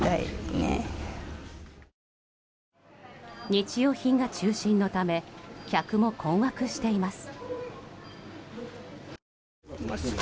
日用品が中心のため客も困惑しています。